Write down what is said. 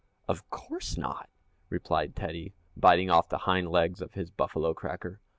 "Of course not," replied Teddy, biting off the hind legs of his buffalo cracker.